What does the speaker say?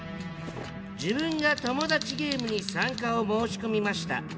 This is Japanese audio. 自分がトモダチゲームに参加を申し込みました。